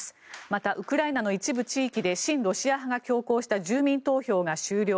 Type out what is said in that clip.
また、ウクライナの一部地域で親ロシア派が強行した住民投票が終了。